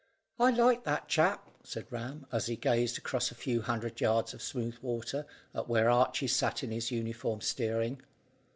"I liked that chap," said Ram, as he gazed across a few hundred yards of smooth water, at where Archy sat in his uniform, steering.